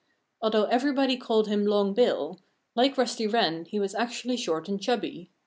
Although everybody called him "Long Bill," like Rusty Wren he was actually short and chubby.